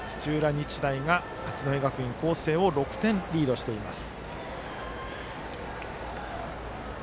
日大が八戸学院光星を６点リードしています。